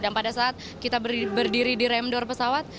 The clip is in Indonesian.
dan pada saat kita berdiri di raim indoor pesawat